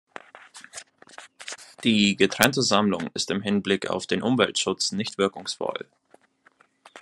Die getrennte Sammlung ist im Hinblick auf den Umweltschutz nicht wirkungsvoll.